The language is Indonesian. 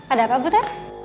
ada apa butet